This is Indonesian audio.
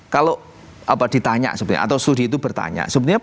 kalau ditanya sebenarnya atau studi itu bertanya